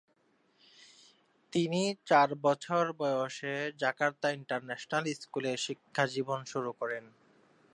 তিনি চার বছর বয়সে জাকার্তা ইন্টারন্যাশনাল স্কুলে শিক্ষাজীবন শুরু করেন।